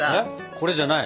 これじゃない？